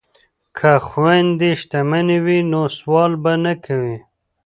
که خویندې شتمنې وي نو سوال به نه کوي.